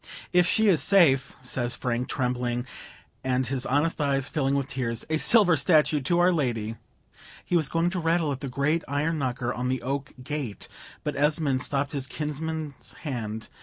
"If she is safe," says Frank, trembling, and his honest eyes filling with tears, "a silver statue to Our Lady!" He was going to rattle at the great iron knocker on the oak gate; but Esmond stopped his kinsman's hand.